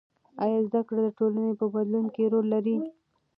آیا زده کړه د ټولنې په بدلون کې رول لري؟